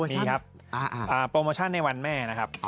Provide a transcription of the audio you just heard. มีครับโปรโมชั่นในวันแม่นะครับ